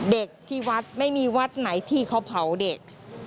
เด็กที่วัดไม่มีวัดไหนที่เขาเผาเด็ก